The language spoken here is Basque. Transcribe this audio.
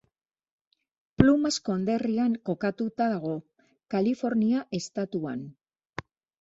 Plumas konderrian kokatuta dago, Kalifornia estatuan.